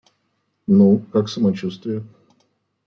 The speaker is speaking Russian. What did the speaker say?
Ну, как самочуствие?